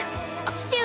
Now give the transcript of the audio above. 父上！